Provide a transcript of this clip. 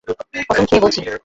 কসম খেয়ে বলছি।